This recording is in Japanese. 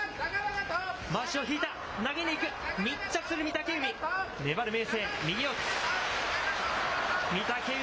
まわしを引いた、投げにいく、密着する御嶽海。